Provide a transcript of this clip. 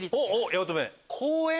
八乙女。